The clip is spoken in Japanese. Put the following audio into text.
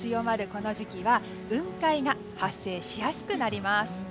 この時期は雲海が発生しやすくなります。